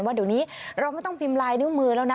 ว่าเดี๋ยวนี้เราไม่ต้องพิมพ์ลายนิ้วมือแล้วนะ